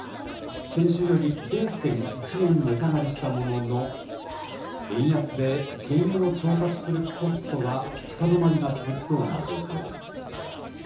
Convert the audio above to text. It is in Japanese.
先週より０．１円値下がりしたものの、円安で、原油の調達するコストは高止まりが続きそうな状況です。